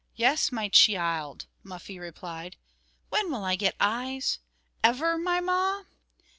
"Yes, my chee ild," Muffie replied. "When will I get eyes? Ever, my Ma?"